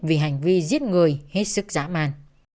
vì hành vi giết người hết sức dã man